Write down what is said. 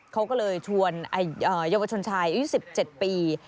เขาก็เลยชวนเยาวชนชายอายุ๑๗ปี